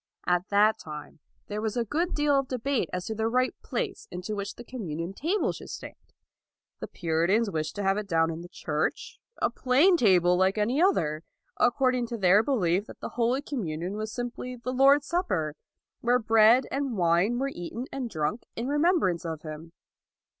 At that time there was a good deal of debate as to the right place in which the communion table should stand. The Puri tans wished to have it down in the church, a plain table like any other, according to their belief that the Holy Communion was simply the Lord's Supper, where bread and wine were eaten and drunk in remembrance of Him.